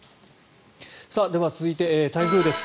では続いて、台風です。